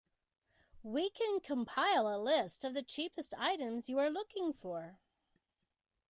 We can compile a list of the cheapest items you are looking for.